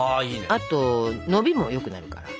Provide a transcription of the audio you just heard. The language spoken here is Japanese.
あとのびもよくなるから。